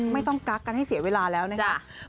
ไม่ต้องกักกันให้เสียเวลาแล้วนะครับ